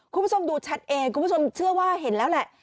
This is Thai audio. คุณผู้ชมดูแชทเองคุณผู้ชมเชื่อว่าเห็นแล้วแหละ